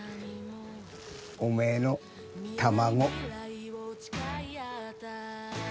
おめぇの卵。